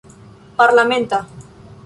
parlamenta